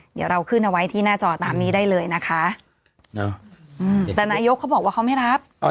เดี๋ยวเราขึ้นเอาไว้ที่หน้าจอตามนี้ได้เลยนะคะแต่นายกเขาบอกว่าเขาไม่รับ